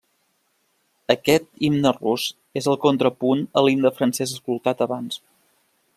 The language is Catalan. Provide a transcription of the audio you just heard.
Aquest himne rus és el contrapunt a l'himne francès escoltat abans.